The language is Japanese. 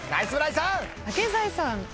竹財さん。